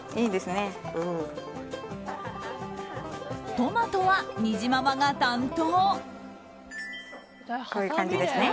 トマトは、にじままが担当。